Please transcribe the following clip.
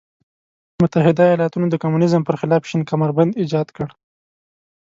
متحده ایالتونو د کمونیزم پر خلاف شین کمربند ایجاد کړ.